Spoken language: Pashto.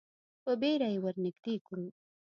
په بیړه یې ور نږدې کړو.